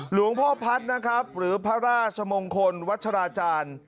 หลวงพ่อพัฒน์นะครับหรือพระราชมงคลวัชราจารย์